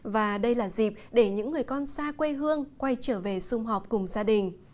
và đây là dịp để những người con xa quê hương quay trở về xung họp cùng gia đình